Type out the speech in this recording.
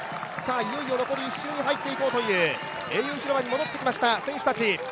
いよいよ残り１周に入っていこうという英雄広場に戻ってきました選手たち。